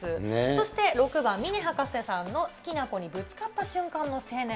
そして６番、峰博士さんの好きな子にぶつかった瞬間の青年。